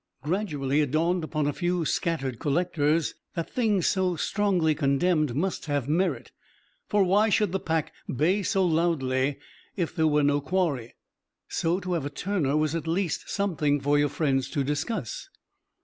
Gradually, it dawned upon a few scattered collectors that things so strongly condemned must have merit, for why should the pack bay so loudly if there were no quarry! So to have a Turner was at least something for your friends to discuss.